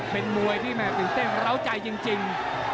เป็นมวยที่แม่ตื่นเต้นร้าวใจจริง